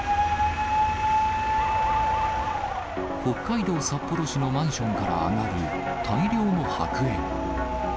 北海道札幌市のマンションから上がる大量の白煙。